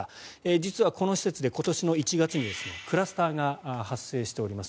実はこの施設で今年の１月にクラスターが発生しております。